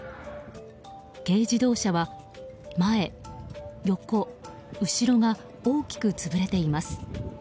軽自動車は、前、横、後ろが大きく潰れています。